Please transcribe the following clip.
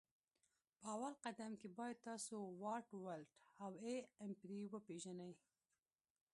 په اول قدم کي باید تاسو واټ ولټ او A امپري وپيژني